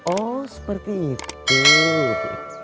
oh seperti itu